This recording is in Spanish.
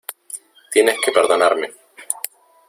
tienes que perdonarme.